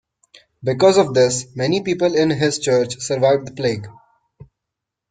Because of this, many people in his church survived the plague.